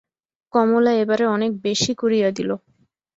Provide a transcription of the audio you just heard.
কমলা এবারে অনেক বেশি করিয়া দিল।